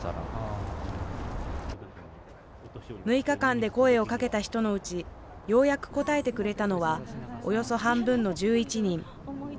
６日間で声をかけた人のうち、ようやく答えてくれたのは、およそ半分の１１人。